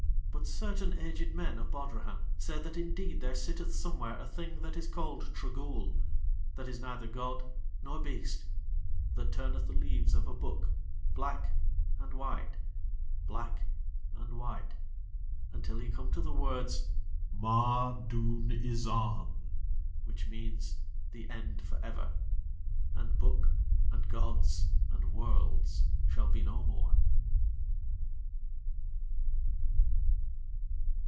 But certain aged men of Bodrahan say that indeed there sitteth somewhere a Thing that is called Trogool, that is neither god nor beast, that turneth the leaves of a book, black and white, black and white, until he come to the words: Mai Doon Izahn, which means The End For Ever, and book and gods and worlds shall be no more.